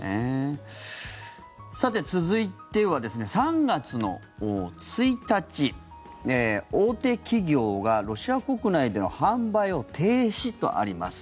さて、続いてはですね３月の１日大手企業がロシア国内での販売を停止とあります。